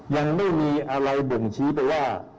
ยังไม่มีอะไรบ่งชี้ไปว่า